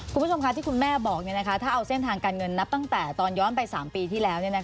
คุณผู้ชมค่ะที่คุณแม่บอกถ้าเอาเส้นทางการเงินนับตั้งแต่ตอนย้อนไป๓ปีที่แล้ว